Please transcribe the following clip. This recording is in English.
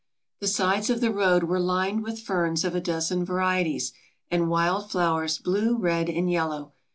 The sides of the road were lined with ferns of a dozen varie ties and wild flowers blue, red, and yellow.